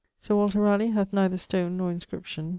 Sir Walter Raleigh hath neither stone nor inscription.